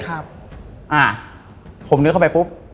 อะผมนึกเข้าไปปุ๊บ